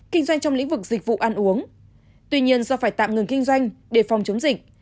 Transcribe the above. kinh doanh trong lĩnh vực dịch vụ ăn uống tuy nhiên do phải tạm ngừng kinh doanh để phòng chống dịch